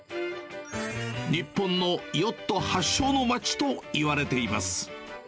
日本のヨット発祥の町といわれています。